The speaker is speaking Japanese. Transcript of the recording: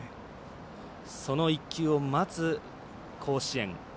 その１球を待つ甲子園。